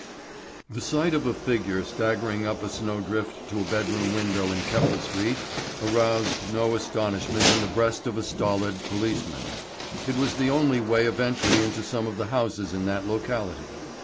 The sight of a figure staggering up a snow drift to a bedroom window in Keppel Street aroused no astonishment in the breast of a stolid policeman. It was the only way of entry into some of the houses in that locality.